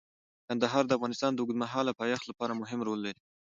کندهار د افغانستان د اوږدمهاله پایښت لپاره مهم رول لري.